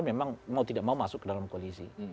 memang mau tidak mau masuk ke dalam koalisi